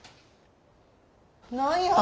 何や？